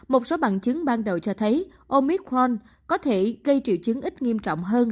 một số bằng chứng ban đầu cho thấy omicron có thể gây triệu chứng ít nghiêm trọng hơn